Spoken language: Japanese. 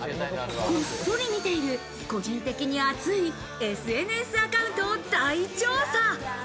こっそり見ている個人的に熱いＳＮＳアカウントを大調査。